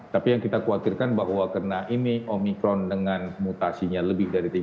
tapi yang kita khawatirkan bahwa karena ini omikron dengan mutasinya lebih dari tiga puluh